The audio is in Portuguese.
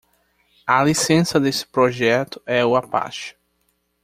A licença desse projeto é o Apache.